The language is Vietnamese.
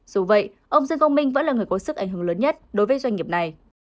dù vậy ông dương công minh vẫn là người có sức ảnh hưởng lớn nhất đối với doanh nghiệp này